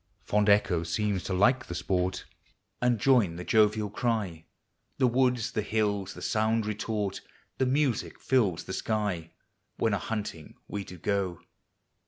Fond Echo seems to like the sport, And join t 110 jnvtol cry; THE SEASONS. 159 The woods, the hills, the sound retort, And music fills the sky, When a hunting we do go.